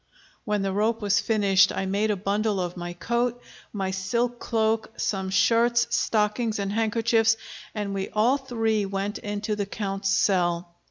When the rope was finished, I made a bundle of my coat, my silk cloak, some shirts, stockings, and handkerchiefs, and we all three went into the Count's cell.